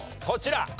こちら。